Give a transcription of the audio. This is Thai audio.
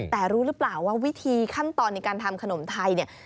แต่รู้หรือเปล่าว่าวิธีขั้นตอนในการทำขนมไทยเนี่ย